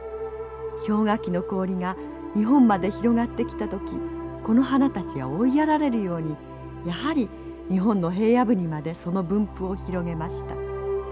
氷河期の氷が日本まで広がってきた時この花たちは追いやられるようにやはり日本の平野部にまでその分布を広げました。